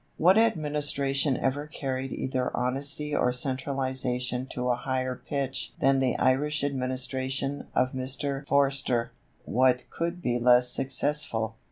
What administration ever carried either honesty or centralization to a higher pitch than the Irish administration of Mr. Forster? What could be less successful?